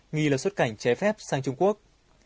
nghi là xuất cảnh trái phép sang trung quốc